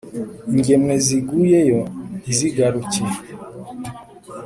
Ingemwe ziguyeyo ntizigaruke,